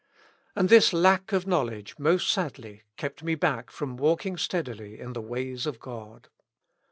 And this lack of knowledge most sadly kept me back from walking steadily in the ways of God.